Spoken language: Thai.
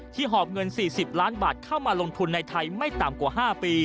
หอบเงิน๔๐ล้านบาทเข้ามาลงทุนในไทยไม่ต่ำกว่า๕ปี